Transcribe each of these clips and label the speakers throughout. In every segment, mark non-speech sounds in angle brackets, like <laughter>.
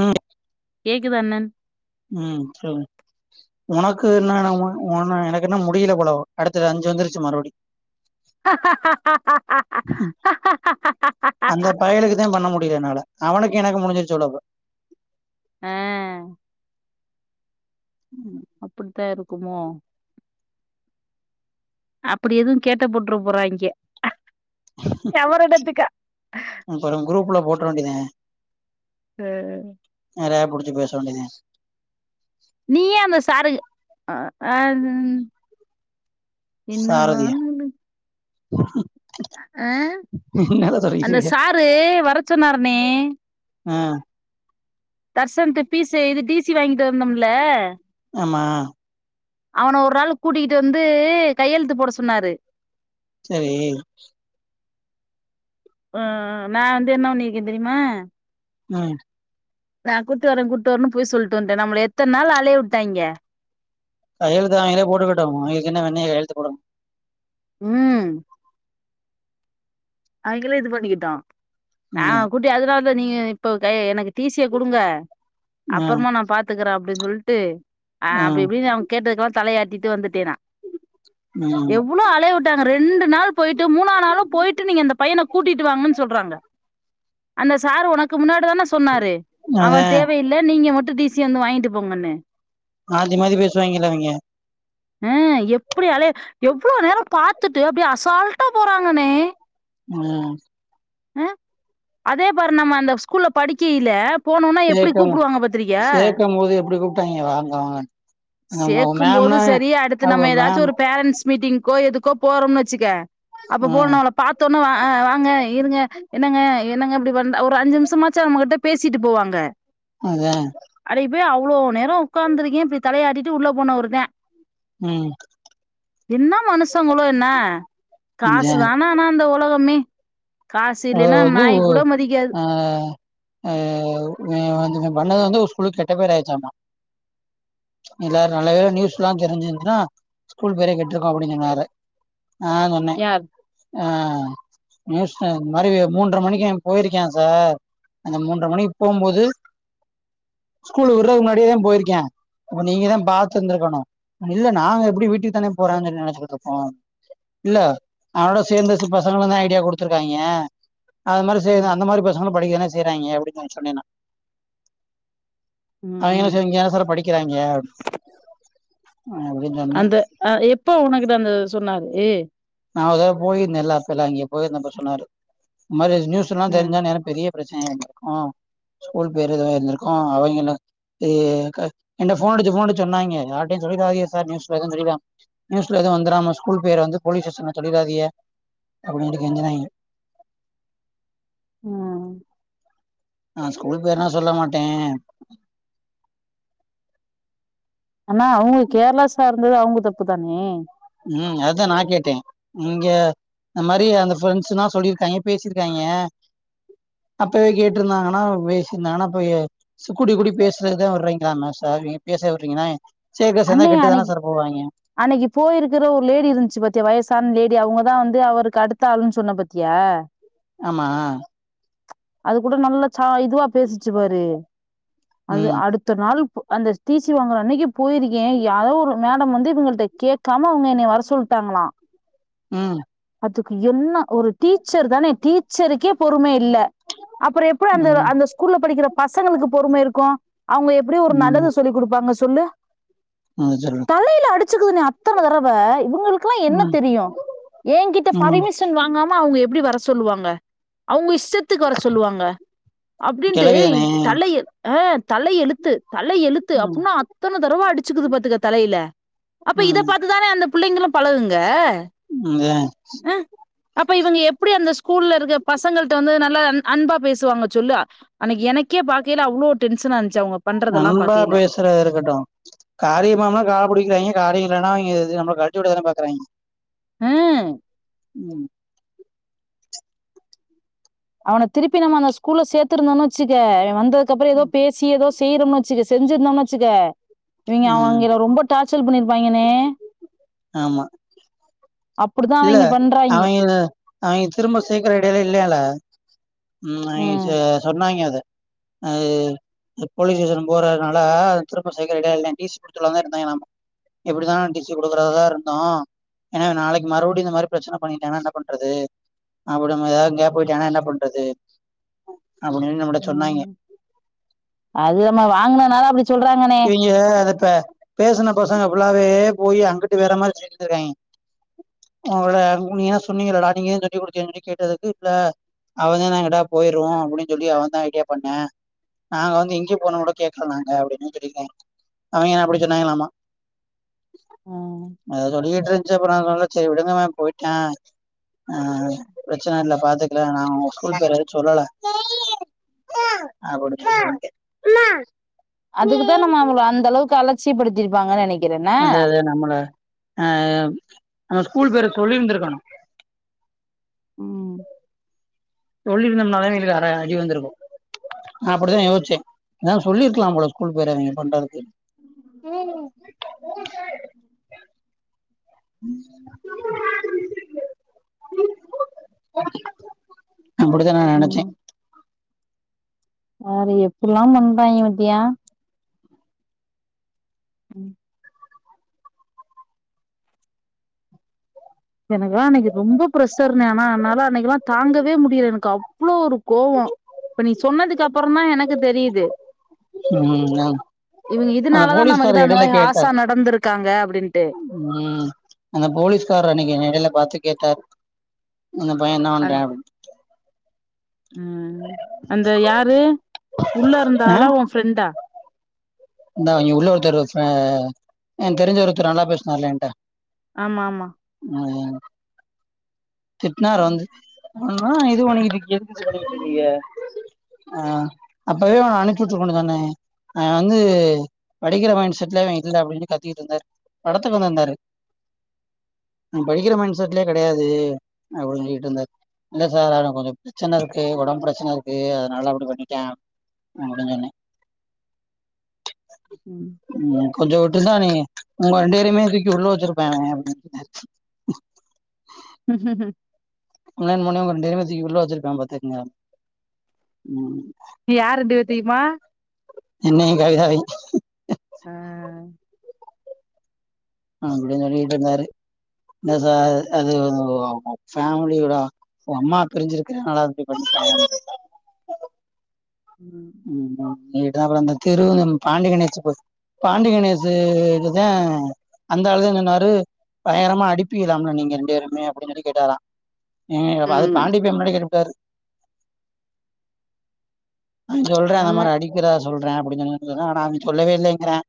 Speaker 1: ஆஹ.
Speaker 2: கேக்குது அண்ணன்.
Speaker 1: உஹம் சரி உனக்கு என்ன உ உன எனக். இன்னு முடியல போல அடுத்த அஞ்சு வந்துருச்சு மறுபடி. உம் அந்த பயலுக்குத்தா பண்ண முடியலயென்னால. அவனுக்கு எனக்கு முடிஞ்சு. சொடவு.
Speaker 2: ஆஹ.
Speaker 1: உம்.
Speaker 2: அப்படித்தா இருக்குமோ. அப்படி எதுவும் கேட்ட போட்டுரு போறாங்க.
Speaker 1: அப்பறம் குரூப்ல போட்ற வேண்டியதுதே
Speaker 2: ஆ
Speaker 1: வேற யாரோ புடிச்சு பேச வேண்டியதுதே
Speaker 2: நீயே அந்த சாரு அ ஆ உம் என்னதா
Speaker 1: சாரதியா
Speaker 2: நடக் ஆ
Speaker 1: என்னடா சொல்லிட்டு
Speaker 2: அந்த
Speaker 1: இருக்க
Speaker 2: சாரு வரச்சொன்னரா மே
Speaker 1: ஆஹ்
Speaker 2: தர்சன்து பீஸு எழுதி டி சி வாங்கிட்டு வந்தோம்ல
Speaker 1: ஆமா
Speaker 2: அவன ஒரு நாளு கூட்டிகிட்டு வந்து கையெழுத்து போட சொன்னாரு
Speaker 1: சரி
Speaker 2: ஆஹ் நா வந்து என்ன பண்ணிருக்க தெரியுமா
Speaker 1: உம்
Speaker 2: நா கூட்டு வரே கூட்டு வரேன்னு பொய் சொல்ட்டு வன்ட்டே நம்மள எத்தன நாள் அலைய விட்டாய்ங்க
Speaker 1: கையெழுத்து அவங்களே போட்டுக்கிட்டு அவங்களுக்கு என்ன வெண்ணைக்கி கையெழுத்து போடனு
Speaker 2: உம் அவிங்களே இது பண்ணிக்கிட்டு நா
Speaker 1: ம்
Speaker 2: கூட்டி அதுனா ல்ல நீங்க இப்ப க எனக்கு டி சி ய குடுங்க
Speaker 1: ம்
Speaker 2: அப்பறமா நா பாத்துக்கறே அ ப்டி சொல்ட்டு ஆஹ் அப்டி
Speaker 1: ம்
Speaker 2: இப்டின்னு அவங்க கேட்டதுக்கலா தலையாட்டிட்டு வந்துட்டேனா
Speaker 1: ம்
Speaker 2: எவ்ளோ அலைய விட்டாங்க ரெ ண்டு நாள் போயிட்டு மூணா நாளும் போயி ட்டு நீங்க அந்த பையன கூட்டிட்டு வாங்கன்னு சொல்றாங்க அந்த சார் உனக்கு முன்னாடி தான சொன்னாரு அவ
Speaker 1: அதா
Speaker 2: தேவையில்ல நீங்க மட் ட்டு டி சி ய வந்து வாங்கிட்டு போங்கன்னு
Speaker 1: மாத்தி மாத்தி பேசுவாங்கல்ல அவிங்க
Speaker 2: ஆ எப்டி அலைய எவ் ளோ நேரோ காத்துட்டு அப்டியே அசால்ட்டா போறாங்கண்ணே
Speaker 1: உம்
Speaker 2: ஆ அதே பாரு நம்ம அந்த ஸ்கூல்ல படிக்கையில போனோனா எப்டி
Speaker 1: சேக்கம்
Speaker 2: கூப்டுவாங்க பாத்திரிக்கியா
Speaker 1: சேக்கம் போது எப்டி கூப்ட்டாங்க வாங்க வாங்க ஆமா அவ
Speaker 2: சேக்கும்போது
Speaker 1: மேம்னா
Speaker 2: சரி அடுத்து
Speaker 1: அவ
Speaker 2: நம்ம ஏதாச்சு
Speaker 1: மேம்
Speaker 2: ஒரு பேரண்ட்ஸ் மீட்டிங்க்கோ எதுக்கோ போறம்னு வச்சுக்க அப்ப
Speaker 1: ஆ
Speaker 2: போனாலோ பார்த்தோனே வா வாங்க இருங்க என்னங்க என்னங்க அப்படி ஒரு அஞ்சு நிமிஷமாச்சும் அவங்ககிட்ட பேசிட்டு போவாங்க
Speaker 1: அதான்
Speaker 2: இப்போ அவ்ளோ நேரம் உட்காந்துருக்கேன் இப்டி தலையாட்டிட்டு உள்ள போனவரு தான்
Speaker 1: ம்
Speaker 2: என்ன மனுஷங்களோ என்ன காசு தான் அந்த உலகமே காசு இல்லைன்னா
Speaker 1: அஹ் அது
Speaker 2: நாய் கூட மதிக்காது
Speaker 1: அஹ் ஹ நல்லது வந்து ஸ்கூல் கெட்ட பேர் ஆயிடுச்சாம்மா எல்லாரும் நல்லாவேல நியூஸ் எல்லாம் தெரிஞ்சுச்சன்னா ஸ்கூல் பேரே கெட்டிருக்கு அப்படின்னு சொன்னாரு ஆஹ் நா சொன்னே
Speaker 2: யார்
Speaker 1: அஹ் நியூஸ் மாதிரி மூன்றரை மணிக்கு போயிருக்கேன் சார் அந்த மூன்ற மணிக்கு போகும் போது ஸ்கூல் விடுறதுக்கு முன்னாடியே தான் போயிருக்கேன் அப்ப நீங்க தான் பாத்து இருந்திருக்கணும் இல்ல நாங்க எப்படி வீட்டுக்கு தானே போறோம் சொல்லி நினைச்சிட்டு இருக்கோம் இல்ல அதனோட சேர்ந்த சில பசங்க தான் ஐடியா கொடுத் துருக்காங்க அது மாதிரி
Speaker 2: ம்
Speaker 1: அந்த மாதிரி பசங்க படிக்க தான செய்றாங்க அப்படினு சொன்னே நா
Speaker 2: ம் ம்
Speaker 1: அவங்களு இங்க தான சார் படிக்கிறாங்க அப்படின்னு சொன்னேன்
Speaker 2: அந்த எப்போ உன்னகிட்ட அந்த சொன்னாரு ஏ
Speaker 1: நான் ஒரு தடவ போயிருந்தேன்ல்ல அப்பல்லாம் அங்க போயிருந்தேன்ப்ப சொன்னாரு இந்த மாதிரி நியூஸ் எல்லாம்
Speaker 2: ம்
Speaker 1: தெரிஞ்சா இன்ன பெரிய பிரச்சனை ஆயிடும் ஆஹ் ஸ்கூல் பேர் வந்திருக்கு அவங்க சொன்னாங்க பிரச்சனை ஆயிடும் ஸ்கூல் பெயர் வந்திருக்கு என்கிட்ட போன் அடிச்சு அடிச்சு சொன்னாங்க நீ யார்கிட்டயும் சொல்லிடாதீங்க சார் நியூஸ்ல எவும் வந்துரு ஸ்கூல் பேர் வந்து போலீஸ் ஸ்டேஷன்ல்ல சொல்லிடாதீங்க அப்படினு கெஞ்சினாங்க
Speaker 2: உஹம்
Speaker 1: நா ஸ்கூல் பேரெல்லா சொல்ல மாட்டேன்
Speaker 2: ஆனா அவங்க கேரளா சார் இது அவங்க தப்பு தானே
Speaker 1: உம் அதுதான் நான் கேட்டேன் இங்க இந்த மாதிரி அந்த ப்ரெண்ட்ஸ்ல்லாம் சொல்லிருக்காங்க பேசிருக்காங்க அப்பவே கேட்டிருந்தாங்கன்னா பேசிருந்தாங்கன்னா அப்ப கூடி கூடி பேசுறதுதான் விடுறீங்களாம சார் பேச விடுறீங்கன்னா சேர்க்க சேர்ந்தா
Speaker 2: அண்ணைய
Speaker 1: கெட்டு தானே
Speaker 2: அன்னைக்கு
Speaker 1: சார் போவாங்க
Speaker 2: அன்னைக்கு போயிருக்கு இருக்கிற ஒரு லேடி இருந்துச்சு பாத்தியா வயசான லேடி அவுங்கதான் வந்து அவருக்கு அடுத்த ஆளுன்னு சொன்ன பாத்தியா
Speaker 1: ஆமா
Speaker 2: அது கூட நல்ல சா இதுவா பேசிச்சு பாரு அது
Speaker 1: ம்
Speaker 2: அடுத்த நாள் அந்த டீசீ வாங்குற அன்னைக்கு போயிருக்கேன்யாரோ ஒரு மேடம் வந்து இவுங்கள்ட கேட்காம அவுங்க என்ன வர சொல்லிட்டாங்களா
Speaker 1: ம்
Speaker 2: அதுக்கு என்ன ஒரு டீச்சர் தானே டீச்சருக்கே பொறுமை இல்ல அப்புறோம் எப்டி அந்த
Speaker 1: ம்
Speaker 2: அந்த ஸ்கூல்ல படிக்கிற பசங்களுக்கு பொறுமை இருக்கு அவங்க எப்படி ஒரு நல்லது சொல்லி் கொடுப்பாங்க ஸ்கூல்ல சொல்லு
Speaker 1: ஆ சொல்லு
Speaker 2: அடுச்சிக்குதுங்க அத்தன தடவ இவங்க இவங்களுக்கெல்லாம் என்ன
Speaker 1: ம்
Speaker 2: தெரியும் என்கிட்ட
Speaker 1: ம்
Speaker 2: பர்மிஷன் வாங்காம அவுங்க எப்டி வர சொல்லுவாங்க அவுங்க இஷ்டத்து எத்துக்கு வர சொல்லுவாங்க அப்டின்ட்டு
Speaker 1: கிளவிதானே
Speaker 2: தலய ஆ தலையெழுத்து தல எழுத்து
Speaker 1: ம்
Speaker 2: அப்டின்னு அத்தன தடவா அடிச்சுக்குது பாத்துக்க தலையில அப்ப இத
Speaker 1: ம்
Speaker 2: பாத்துதானே அந்த புள்ளங்கிளும் பழகுங்க
Speaker 1: ம் ஆ
Speaker 2: அப்ப இவுங்க எப்டி அந்த ஸ்கூல்ல இருக்க பசங்கள்ட வந்து நல்லா அன்பா பேசுவாங்க சொல்லு அன்னக்கு எனக்கே பார்க்கையில அவ்ளோ டென்ஷனா இருந்துச்சு அவங்க பண்றதெல்லாம்
Speaker 1: நம்ம
Speaker 2: பாக்கையில.
Speaker 1: பேசுறது இருக்கட்டும் காரியமம்லாம் கால புடிக்கிறாங்க காரியம்ல்லனா அவங்க நம்ம கழட்டி வுட தானே பாக்குறாங்க
Speaker 2: வும்
Speaker 1: ம்
Speaker 2: அவன திருப்பி நம்ம அந்த ஸ்கூல்ல சேர்த்திருந்தோன்னு வச்சுக்கே வந்து அதுக்கப்புறோம் ஏதோ பேசி ஏதோ செ செய்றோம்னு வச்சுக்க செஞ்சிருந்தோம்னு வச்சுக்க இவங்க
Speaker 1: ம்
Speaker 2: அவிங்கள ரொம்ப டார்ச்சல் பண்ணிருங்க இருபாங்கனே
Speaker 1: ஆமா
Speaker 2: அப்படிதான்
Speaker 1: இல்ல
Speaker 2: அவிங்க பண்றாய்ங்க.
Speaker 1: அவிங்க அவிங்க திரும்ப சேர்க்குற ஐடியால்ல இல்லையால்ல <inaudible> ம் அவிங்க சொன்னாங்க அத அஹ் போலீஸ் ஸ்டேஷன் போறதுனாலது திரும்ப சைக்கல் ரெடி அகலையாம் டிசி குடுத்தலாம் தான் இருந்தாங்கலாம்மா எப்படித்தான் டிசி கொடுக்கறதாதான் இருந்தோம் ஏன்னா நாளைக்கு மறுபடியும் இந்த மாரி பிரச்சனை பண்ணிட்டா என்ன பண்றது எங்கயாவது போயிட்டனா என்ன பண்றது அப்டினு நம்மட்ட சொன்னாங்க
Speaker 2: வாங்கனனால அப்டி சொல்றாங்கண்ணே
Speaker 1: இவங்க அதைப்ப பேசன பசங்க புல்லாவே போய் அங்கட்டு வேற மாரி சொல்லிருதுருக்காய்க உங்கள நீங்க ஏதுணா சொன்னீங்கலாடா நீங்க ஏதும் கட்டி குடுத்திக்கன்ன சொல்லி கேட்டதுக்கு இல்ல அவன் தான் எங்கிட்டாவது போயிருவோம் அப்படின்னு சொல்லி அவன் தான் ஐடியா பண்ணேன் நாங்க வந்து இங்கே போனம் கூட கேக்குற நாங்க அப்படின்னு தெரில அவங்க அப்படி சொன்னாங்களாமா அத சொல்லிட்டு இருந்துச்சு அப்புறம் நான் சேரி விடுங்க மேம் போயிட்டான் ஆஹ் பிரச்சனை இல்ல பார்த்துக்கலாம் நான் ஏதும் சொல்லல
Speaker 2: அதுக்கு தான் நம்ம அவ்ளோ அந்த அளவுக்கு அழச் சீப்படுத்திருப்பாங்க நினைக்
Speaker 1: அதே நம்மள அஹ் நம்ம ஸ்கூல் பேரு சொல்லிருந்திருக்கணும்
Speaker 2: உஹம்
Speaker 1: சொல்லியிருந்தனால எங்களுக்கு அ அடி வந்திருக்கும் ந அப்டித்தான் யோசிச்சேன் நான் சொல்லிருக்கலாம் போல ஸ்கூல் பேர இவிங்க பண்றதுக்கு <unintelligible> அப்டித்தான் நான் நெனைச்சேன்
Speaker 2: பாரு எப்டில்லாம் பண்றாய்ங்க பத்தியா உம் எனக்குலாம் அன்னைக்கு ரொம்ப பிரசர்னே ஆன என்னால அன்னைக்கெல்லாம் தாங்கவே முடியல எனக்கு அவ்ளோ ஒரு கோவம் இப்ப நீ சொன்னதுக்கு அப்புறம் தான் எனக்கு தெரியுது
Speaker 1: ம்
Speaker 2: இவங்க
Speaker 1: அந்த
Speaker 2: இதனாலதான் நம்மகிட்ட
Speaker 1: போலீஸ்காரர்
Speaker 2: அந்த
Speaker 1: இடையில
Speaker 2: மாதிரி ஹார்ஷா
Speaker 1: கேட்டார்
Speaker 2: நடந்திருக்காங்க அப்டின்ட்டு
Speaker 1: நேர்ல பாத்து கேட்டாரு அந்த பய என்ன பன்றன் அப்டினு
Speaker 2: உம் அந்த யாரு உள்ள இருந்தா ஆளா உன் ஃப்ரெண்டா
Speaker 1: இந்த அவிங்க உள்ள ஒருத்தர் அஹ் எனக்கு தெரிஞ்ச ஒருதர் நல்லா பேசுனார்ல என்ட்ட
Speaker 2: ஆமா ஆமா
Speaker 1: ஆ திட்னார் வந்து ஒ இது உனக்கு எ ஆஹ அப்பவே அவன அனுப்பி விட்ருக்க வேண்டியது தானே வந்து படிக்கிற மைண்ட் செட்லே இல்ல அப்டின்னு கத்திட்டு இருந்தாரு படத்துக்கு வந்திருந்தாரு அவன் படிக்கிற மைண்ட செட்லே கிடையாது அப்டின்னு சொல்லிட்டுருந்தாரு இல்ல சார் அவனுக்கு கொஞ்சம் பிரச்சனை இருக்கு உடம்பு பிரச்சனை இருக்கு அதனால அப்டி பண்ணிட்டான் அப்டின்னு சொன்னேன்
Speaker 2: உம்
Speaker 1: "உம், கொஞ்சம் விட்டிருந்தா நீ உங்க ரெண்டு பேரையுமே தூக்கி உள்ள வச்சிருப்பாங்க அப்டி
Speaker 2: உஹம் உஹம்
Speaker 1: இப்டிலாம் பண்ணா உங்க ரெண்டு பேரையுமே தூக்கி உள்ள வச்சிருபான் பாத்துக்கங்க
Speaker 2: யார் ரெண்டு பேத்தேமா
Speaker 1: என்னையும் கவிதாவையும்
Speaker 2: ஆஹ்
Speaker 1: அப்டின்னு சொல்லிட்டுருந்தாரு இல்ல சார் அது ஃபேமிலியோட அம்மா பிரிஞ்சிருக்காங்களா அப்டி பண்ணிட்டாங்க அப்டின்னே
Speaker 2: உம்
Speaker 1: <unintelligible> அந்த தெரு பாண்டி கணேசு <unintelligible> பாண்டி கணேசு இதான் அந்த ஆளு சொன்னாரு பயங்கரமா அடிப்பீங்களாமே நீங்க ரெண்டு பேருமே அப்டின்னு சொல்லி கேட்டாராம் ஹ அது
Speaker 2: ம்
Speaker 1: பாண்டி பையன் முன்னாடி கேட்டுபுட்டாரு நான் சொல்றன் அந்த
Speaker 2: ஆமா
Speaker 1: மாரி அடிக்கிற அ சொல்றேன் அப்டின்னு சொன்னாங்க ஆனா அவன் சொல்லவே இல்லைங்கிறன்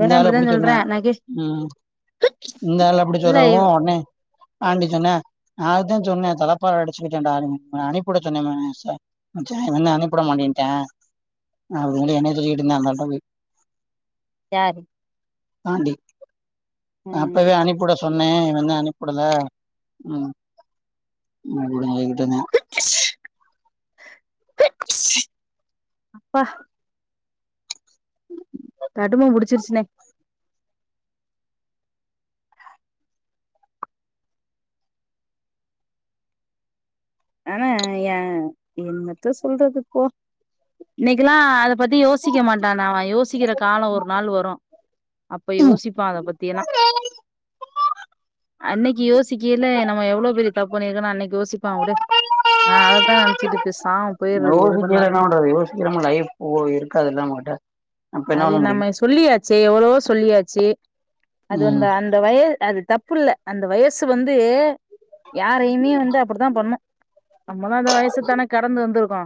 Speaker 1: இந்த ஆள்
Speaker 2: அப்டிதா
Speaker 1: அப்டி சொன்ன
Speaker 2: சொல்றா நா கே
Speaker 1: உம் இந்த ஆள் அப்டி
Speaker 2: இல்ல இவ
Speaker 1: சொல்லவும் உடனே பாண்டி சொன்னான் நான் அதுதான் சொன்னேன் தலைப்பாறை அடிச்சுக்கிட்டேன் அனுப்பிவிட சொன்னேன் இவன சா அனுப்பிட மாட்டேன் டா அவ என்னய சொல்லிட்டு இருந்தா அந்த ஆள்ட போய்
Speaker 2: யாரு
Speaker 1: பாண்டி
Speaker 2: ம்
Speaker 1: அப்பவே அனுப்பிவிட சொன்னேன் நான் தான் அனுப்பி விடல உஹம்
Speaker 2: <inaudible> அப்பா
Speaker 1: <inaudible>
Speaker 2: கடும புடிச்சிருச்சுணே ஆனா ஏன் என்னத்த சொல்றது போ இன்னைக்கல்லா அத பத்தி யோசிக்க மாட்டாண்ணா அவ யோசிக்கிற காலோ ஒரு நாள் வரு அப்ப
Speaker 1: ம்
Speaker 2: யோசிப்பா அத பத்தி எல்லா அன்னக்கி யோசிக்கையில நம்ம எவ்ளோ பெரிய தப்பு பண்ணிருக்கோன்னு அன்னைக்கி யோசிப்பா விடு நா அதத்தா நெனைச்சிட்டு பேஸ்
Speaker 1: யோசிக்கயில என்ன பண்றது யோசிக்காம லைஃப் ஓ இருக்காதல்ல நம்மகிட்ட அப்ப என்ன
Speaker 2: அது
Speaker 1: பண்ண முடியு
Speaker 2: நம்ம சொல்லியாச்சு எவ்ளவோ சொல்லியாச்சு அது
Speaker 1: ம்
Speaker 2: அந்த அந்த வயது அது தப் பில்ல அந்த வயசு வந்து யாரையுமே வந்து அப்படித்தா பண்ணு நம்மளு அந்த வயசத்தான கடந்து வந்துரு க்கோ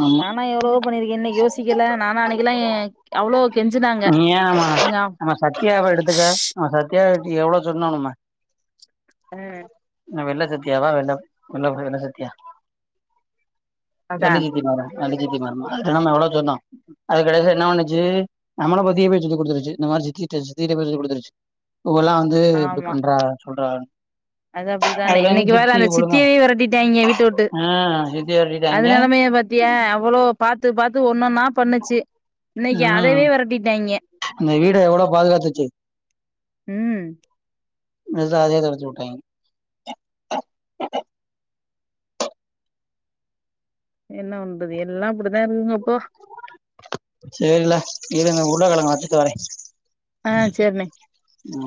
Speaker 1: ஆமா
Speaker 2: பண்ணிருக்கே இன்னிக்கி யோசிக்கல நானு அன்னைக்கெல்லா அவ்ளோ கெஞ்சுனாங்க
Speaker 1: நீ ஏன் அவ
Speaker 2: எங்க
Speaker 1: நம்ம சத்யாவ எடுத்துக்க நம்ம சத்யாக் கு எவ்ளோ சொன்னோ நம்ம ஆ வெள்ள சத்யாவா வெள்ள வெள்ள புள்ளதான சத்யா <unintelligible>
Speaker 2: அதா
Speaker 1: மவ <unintelligible> மருமவ <unintelligible> எவ்ள வோ சொன்னா அது கடைசில என்ன பண்ணுச்சு நம்மள பத்தியே போய் சொல்லி குடுத்துருச்சு இந்த மாரி சித்திகிட்ட சித்திகிட்ட போய் சொல்லி குடுத்துருச்சு இவல்லா வந்து இப்டி
Speaker 2: ஆமா
Speaker 1: பண்றா சொல்றா
Speaker 2: அது அப்டிதாண்ணே
Speaker 1: அதுல இருந்து
Speaker 2: இன்னைக்கி பாரு
Speaker 1: சித்தி
Speaker 2: அந்த
Speaker 1: ஒழுங்கா
Speaker 2: சித்தியவே வெரட்டிட்டாய்ங்க வீட்ட விட்டு
Speaker 1: ஆ சித்தி
Speaker 2: அது
Speaker 1: விரட்டிட்டாய்ங்க
Speaker 2: நெலைமைய பாத்தியா அவ்ளோ பாத்து பாத்து ஒண்ணொன்னா பண்ணுச்சு இன்னைக்கி அதையவே
Speaker 1: ம்
Speaker 2: வெரட்டிட்டாய்ங்க
Speaker 1: அந்த வீட எவ்ளோ பாதுகாத்துச்சு
Speaker 2: உம்
Speaker 1: அதா அதையே தொரத்தி விட்டாய்ங்க
Speaker 2: என்ன பண்றது எல்லா அப்பிடிதா இருக்குங்க இப்போ
Speaker 1: சேரிலே இரு நா உருளக்கெழங்க வச்சுட்டு வரே
Speaker 2: ஆஹ் சேரிண்ணே
Speaker 1: ம்